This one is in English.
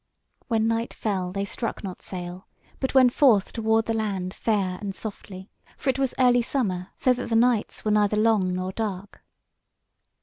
When night fell they struck not sail, but went forth toward the land fair and softly; for it was early summer, so that the nights were neither long nor dark.